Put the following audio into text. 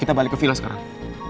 kita balik ke villa sekarang